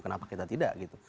kenapa kita tidak gitu